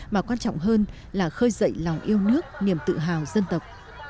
mà quan trọng hơn là khơi dậy lòng yêu nước niềm tự hào dân tộc